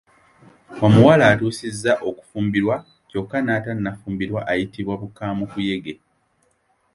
Omuwala atuusizza okufumbirwa kyokka n’atafumbirwa ayitibwa bbuukamukuyege.